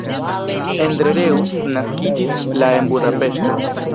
Endre Reuss naskiĝis la en Budapeŝto.